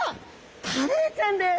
カレイちゃんです！